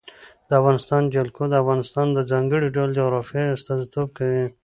د افغانستان جلکو د افغانستان د ځانګړي ډول جغرافیه استازیتوب کوي.